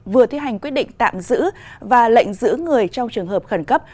vừa thi hành quyết định tạm giữ và lệnh giữ người trong trường hợp khẩn cấp